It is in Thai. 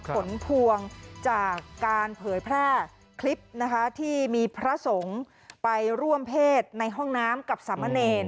ผลพวงจากการเผยแพร่คลิปนะคะที่มีพระสงฆ์ไปร่วมเพศในห้องน้ำกับสามเณร